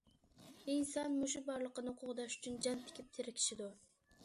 ئىنسان مۇشۇ بارلىقىنى قوغداش ئۈچۈن جان تىكىپ تىركىشىدۇ.